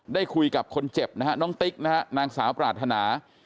ได้คุยกับคนเจ็บนะฮะน้องติ๊กนะฮะนางสาวปรารถนา